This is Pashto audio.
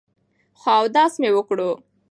خو اودس مې وکړو ـ